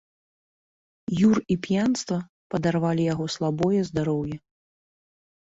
Юр і п'янства падарвалі яго слабое здароўе.